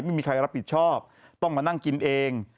ไม่มีใครรับผิดชอบต้องมานั่งกินเอง